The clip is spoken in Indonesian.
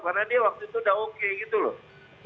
karena dia waktu itu udah oke gitu loh